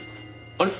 あれ？